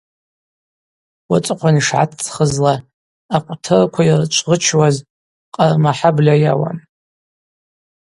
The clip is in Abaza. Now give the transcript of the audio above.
Уацӏыхъван йшгӏацӏцӏхызла, акъвтырква йырчвгъычуаз Къармахӏабльа йауан.